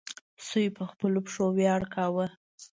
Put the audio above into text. سوی په خپلو پښو ویاړ کاوه.